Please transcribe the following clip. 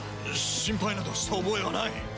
心配などした覚えはない！